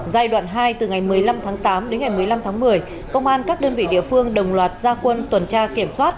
giai đoạn hai từ ngày một mươi năm tháng tám đến ngày một mươi năm tháng một mươi công an các đơn vị địa phương đồng loạt gia quân tuần tra kiểm soát